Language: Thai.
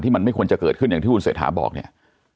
มันไม่ควรจะเกิดขึ้นอย่างที่คุณเศรษฐาบอกเนี่ย